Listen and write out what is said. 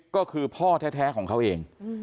ก็คือพ่อแท้ของเขาเอง